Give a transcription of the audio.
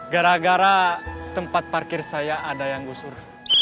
gara gara tempat parkir saya ada yang gusur